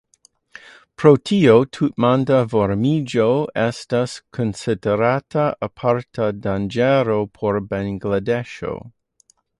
Pro tio, tutmonda varmiĝo estas konsiderata aparta danĝero por Bangladeŝo.